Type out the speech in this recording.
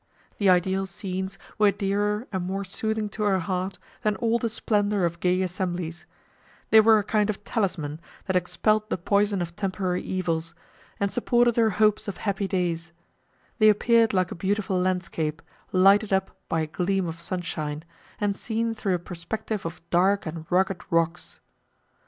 The ideal scenes were dearer, and more soothing to her heart, than all the splendour of gay assemblies; they were a kind of talisman that expelled the poison of temporary evils, and supported her hopes of happy days: they appeared like a beautiful landscape, lighted up by a gleam of sunshine, and seen through a perspective of dark and rugged rocks.